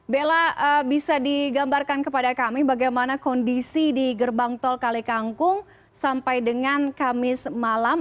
bella bisa digambarkan kepada kami bagaimana kondisi di gerbang tol kalikangkung sampai dengan kamis malam